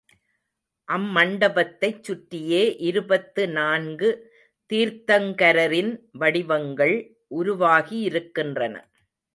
அம்மண்டபத்தைச் சுற்றியே இருபத்து நான்கு தீர்த்தங்கரரின் வடிவங்கள் உருவாகியிருக்கின்றன.